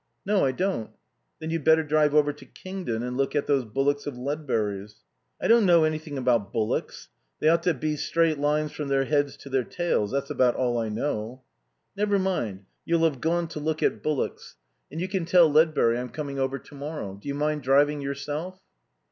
"No, I don't." "Then you'd better drive over to Kingden and look at those bullocks of Ledbury's." "I don't know anything about bullocks. They ought to be straight lines from their heads to their tails. That's about all I know." "Never mind, you'll have gone to look at bullocks. And you can tell Ledbury I'm coming over to morrow. Do you mind driving yourself?"